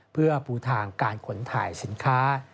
เพื่อปูทางการขนถ่ายสินค้า